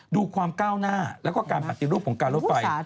ดูความก้าวหน้าและการผัดติดรูปของการรถไฟ